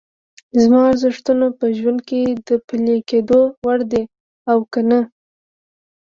زما ارزښتونه په ژوند کې د پلي کېدو وړ دي او که نه؟